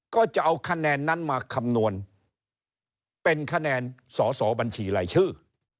ก็จะเอาคะแนนนั้นมาคำนวณเป็นคะแนนสอสอบัญชีรายชื่อ